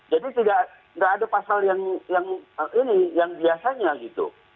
jadi tidak ada pasal yang ini yang biasanya gitu